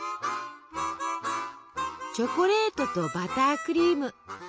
チョコレートとバタークリーム。